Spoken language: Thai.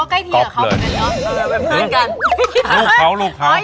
วัยจะเข้าถึงเรื่องเพิ่มพี่